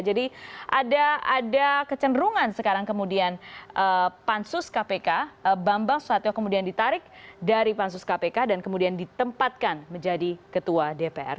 jadi ada kecenderungan sekarang kemudian pansus kpk bambang susatyo kemudian ditarik dari pansus kpk dan kemudian ditempatkan menjadi ketua dpr